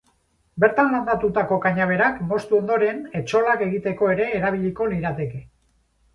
Bertan landatutako kanaberak, moztu ondoren, etxolak egiteko ere erabiliko lirateke.